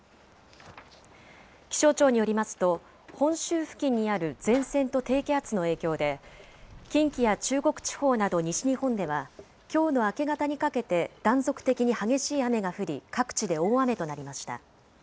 気象庁によりますと、本州付近にある前線と低気圧の影響で、近畿や中国地方など西日本では、きょうの明け方にかけて断続的に激しい雨が降り、各地で大雨となりました。